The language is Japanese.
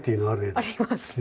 ありますね。